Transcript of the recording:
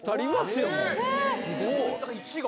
すごい。